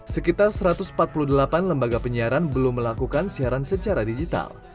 sekitar satu ratus empat puluh delapan lembaga penyiaran belum melakukan siaran secara digital